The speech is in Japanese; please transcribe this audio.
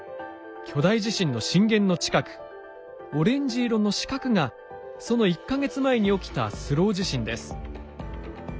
巨大地震の震源の近くオレンジ色の四角がその１か月前に起きたスロー地震です。